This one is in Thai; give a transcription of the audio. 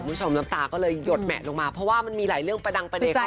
น้ำตาก็เลยหยดแหมะลงมาเพราะว่ามันมีหลายเรื่องประดังประเด็น